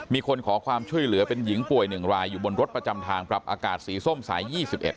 มีคนขอความช่วยเหลือเป็นหญิงป่วยหนึ่งรายอยู่บนรถประจำทางปรับอากาศสีส้มสายยี่สิบเอ็ด